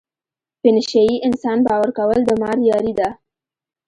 په نشه یې انسان باور کول د مار یاري ده.